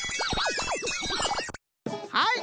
はい！